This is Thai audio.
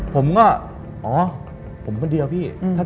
ผมก็อ๋อผมคนเดียวพี่